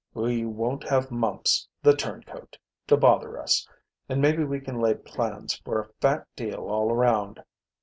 We won't have Mumps, the turncoat, to bother us, and maybe we can lay plans for a fat deal all around.